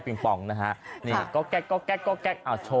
เลขปิ๊งปองนะฮะ